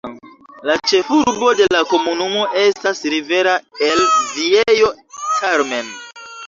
La ĉefurbo de la komunumo estas Rivera el Viejo Carmen.